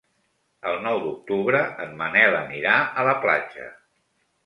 El nou d'octubre en Manel anirà a la platja.